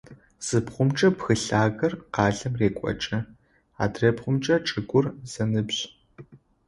Зы бгъумкӏэ бгы лъагэр къалэм рекӏокӏы, адрэбгъумкӏэ чӏыгур зэныбжь.